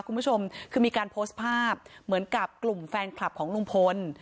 คุณผู้ชมคือมีการโพสต์ภาพเหมือนกับกลุ่มแฟนคลับของลุงพล